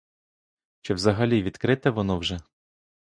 Чи взагалі відкрите воно вже?